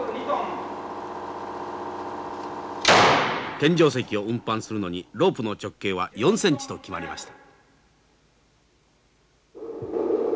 天井石を運搬するのにロープの直径は４センチと決まりました。